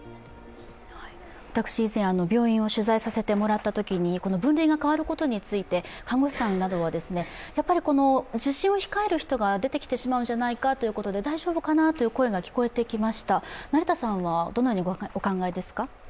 私、以前、病院を取材させてもらったときにこの分類が変わることについて看護師さんなどは、受診を控える人が出てきてしまうんじゃないかということで、大丈夫かなという声が聞こえてきました、成田さんはどのようにお考えですか？